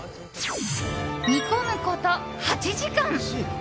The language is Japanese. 煮込むこと、８時間。